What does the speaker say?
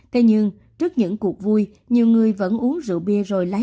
tuy nhiên trước những cuộc vui nhiều người vẫn uống rượu bia rồi lái